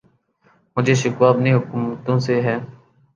مجھے شکوہ اپنی حکومتوں سے ہے